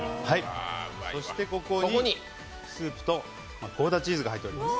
そしてここにスープとゴーダチーズが入っていきます。